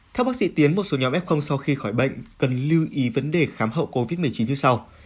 theo bác sĩ tiến một số nhóm f sau khi khỏi bệnh cần lưu ý vấn đề khám hậu covid một mươi chín như sau